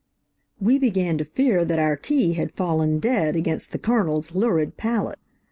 We began to fear that our tea had fallen dead against the Colonel's lurid palate.